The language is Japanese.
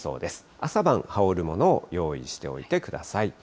朝晩、羽織るものを用意しておいてください。